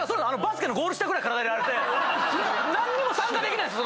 何にも参加できないんです！